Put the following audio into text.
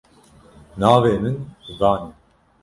Navê min Ivan e.